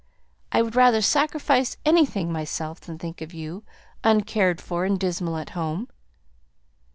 I would rather sacrifice anything myself than think of you, uncared for, and dismal at home."